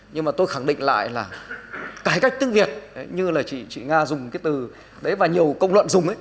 nhưng mà tôi khẳng định lại là cải cách tiếng việt như là chị nga dùng cái từ đấy và nhiều công luận dùng ấy